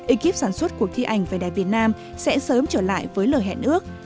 ekip sản xuất cuộc thi ảnh về đẹp việt nam sẽ sớm trở lại với lời hẹn ước